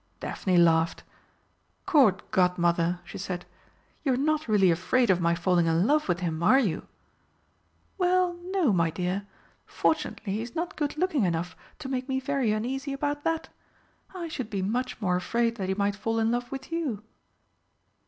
Daphne laughed. "Court Godmother!" she said, "you're not really afraid of my falling in love with him, are you?" "Well, no, my dear. Fortunately he's not good looking enough to make me very uneasy about that. I should be much more afraid that he might fall in love with you."